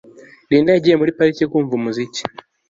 Linda yagiye muri parike kumva umuziki